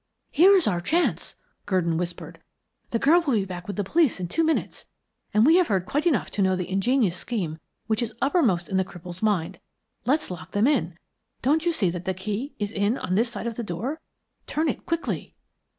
"Here's our chance," Gurdon whispered. "The girl will be back with the police in two minutes, and we have heard quite enough to know the ingenious scheme which is uppermost in the cripple's mind. Let's lock them in. Don't you see that the key is in on this side of the door? Turn it quickly."